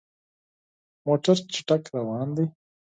موټر چټک روان دی.